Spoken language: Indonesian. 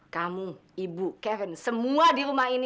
kamu ibu kevin semua di rumah ini